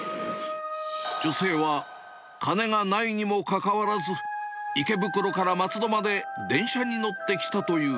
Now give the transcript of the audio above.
女性は、金がないにもかかわらず、池袋から松戸まで電車に乗ってきたという。